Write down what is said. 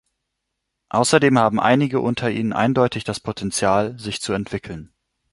Außerdem haben einige unter ihnen eindeutig das Potential, sich zu entwickeln.